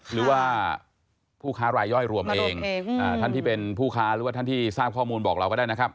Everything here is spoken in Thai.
หรือว่าผู้ค้ารายย่อยรวมเองท่านที่เป็นผู้ค้าหรือว่าท่านที่ทราบข้อมูลบอกเราก็ได้นะครับ